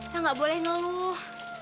ya enggak boleh ngeluh